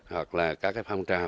hoặc là các phong trào